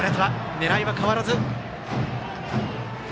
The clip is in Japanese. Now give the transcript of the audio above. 狙いは変わらず。